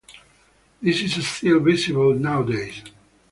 This is still visible nowadays.